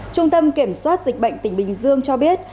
trung tâm kiểm soát dịch bệnh tỉnh bình dương cho biết